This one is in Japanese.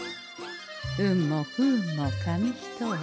運も不運も紙一重。